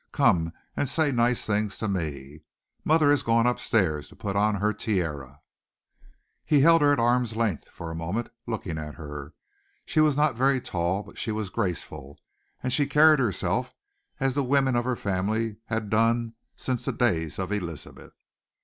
Come and say nice things to me. Mother has gone upstairs to put on her tiara." He held her at arm's length for a moment, looking at her. She was not very tall, but she was graceful, and she carried herself as the women of her family had done since the days of Elizabeth.